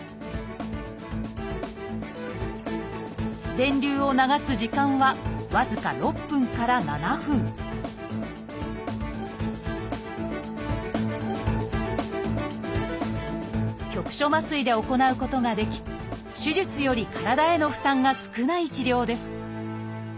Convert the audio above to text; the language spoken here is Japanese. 電流を流す時間は僅か６分から７分局所麻酔で行うことができ手術より体への負担が少ない治療です